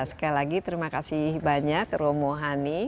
sekali lagi terima kasih banyak romo hani